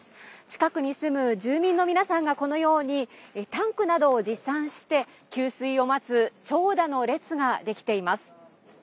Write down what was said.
近くに住む住民の皆さんが、このように、タンクなどを持参して、給水を待つ長蛇の列が出来ています。